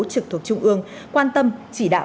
trực thuộc trung ương quan tâm chỉ đạo